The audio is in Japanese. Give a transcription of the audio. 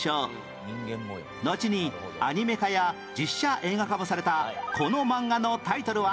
のちにアニメ化や実写映画化もされたこの漫画のタイトルは？